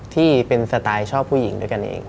ที่เป็นสไตล์ชอบผู้หญิงด้วยกันเอง